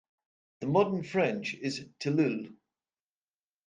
In Modern French it is "tilleul".